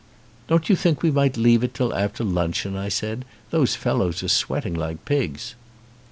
"Don't you think we might leave it till after luncheon?" I said. "Those fellows are sweating like pigs."